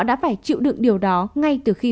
đã phải chịu được điều đó ngay từ khi